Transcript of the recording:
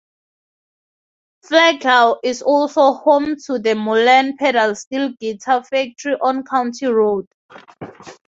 Flagler is also home to the Mullen pedal steel guitar factory on County Road.